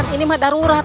ini mah darurat